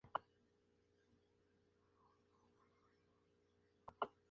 Es un adan, cuya casa es desconocida.